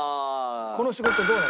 この仕事どうなの？